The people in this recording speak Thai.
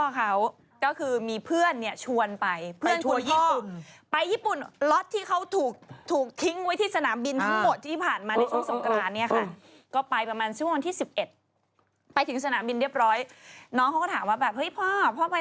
ว้ายสวัสดีค่ะค่ะสวัสดีค่ะข้าวใส่ไข่ข้าวใส่ไข่